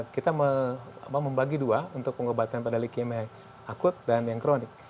kita membagi dua untuk pengobatan pada leukemia akut dan yang kronik